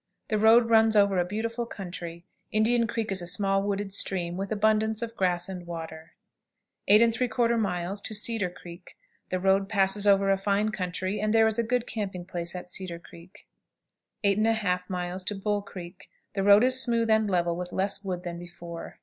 The road runs over a beautiful country. Indian Creek is a small wooded stream, with abundance of grass and water. 8 3/4. Cedar Creek. The road passes over a fine country, and there is a good camping place at Cedar Creek. 8 1/2. Bull Creek. The road is smooth and level, with less wood than before.